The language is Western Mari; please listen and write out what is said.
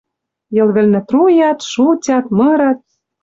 Йӓл вӹлнӹ труят, шутят, мырат